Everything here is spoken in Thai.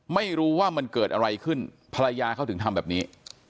ไม่รู้ว่ามันเกิดอะไรขึ้นภรรยาเขาถึงทำแบบนี้